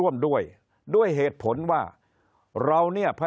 คนในวงการสื่อ๓๐องค์กร